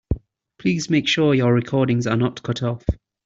Please make sure your recordings are not cut off.